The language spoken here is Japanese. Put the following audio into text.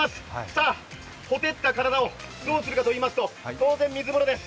さぁ、ほてった体をどうするかといいますと当然、水風呂です。